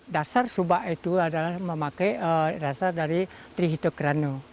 dasar subah itu adalah memakai dasar dari trihidokrano